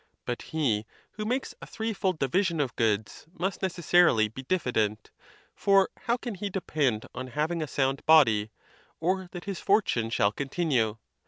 But he who makes a threefold division of goods must necessarily be diffident, for how can he depend on having a sound body, or that his fortune shall continue?